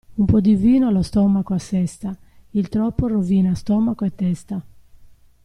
Un po' di vino lo stomaco assesta, il troppo rovina stomaco e testa.